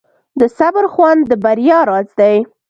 د صبر خوند د بریا راز دی.